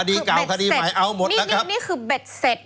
คดีเก่าคดีใหม่เอาหมดแล้วครับรวมคือเบ็ดเสร็จนี่คือเบ็ดเสร็จ